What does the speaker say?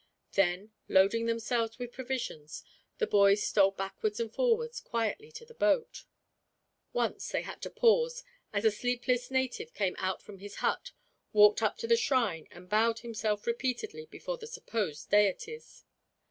Then, loading themselves with provisions, the boys stole backwards and forwards, quietly, to the boat. Once they had to pause, as a sleepless native came out from his hut, walked up to the shrine, and bowed himself repeatedly before the supposed deities.